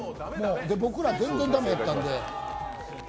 僕ら全然駄目やったんで。